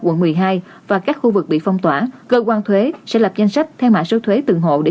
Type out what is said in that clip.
quận một mươi hai và các khu vực bị phong tỏa cơ quan thuế sẽ lập danh sách theo mã số thuế từng hộ để